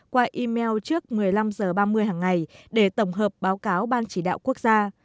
qua email trước một mươi năm h ba mươi hàng ngày để tổng hợp báo cáo ban chỉ đạo quốc gia